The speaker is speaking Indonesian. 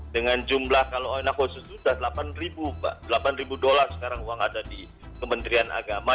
dengan jumlah kalau enak khusus sudah delapan ribu pak delapan ribu dolar sekarang uang ada di kementerian agama